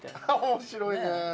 面白いねえ。